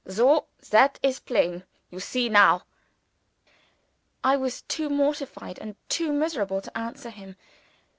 Soh! that is plain. You see now." I was too mortified and too miserable to answer him.